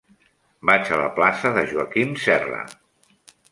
Vaig a la plaça de Joaquim Serra.